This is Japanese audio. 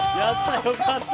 よかった！